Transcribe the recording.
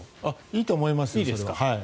いいと思いますよ。